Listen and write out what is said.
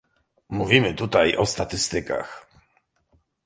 Mówimy tutaj o statystykach